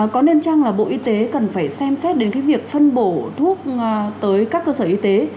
có nên chăng là bộ y tế cần phải xem xét đến cái việc phân bổ thuốc tới các cơ sở y tế